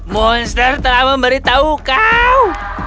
monster telah memberitahu kau